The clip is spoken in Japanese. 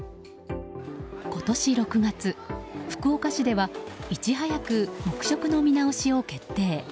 今年６月、福岡市ではいち早く黙食の見直しを決定。